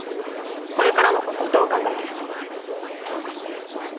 これからのことどう考えてるの？